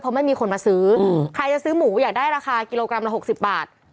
เพราะไม่มีคนมาซื้อใครจะซื้อหมูอยากได้ราคากิโลกรัมละ๖๐บาท